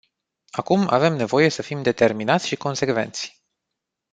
Acum avem nevoie să fim determinați și consecvenți.